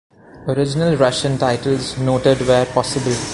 Original Russian titles noted where possible.